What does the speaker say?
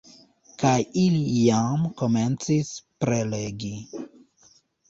Kaj ili jam komencis prelegi